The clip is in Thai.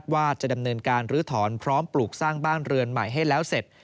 ว่าจะดำเนินการลื้อถอนพร้อมปลูกสร้างบ้านเรือนใหม่ให้แล้วเสร็จ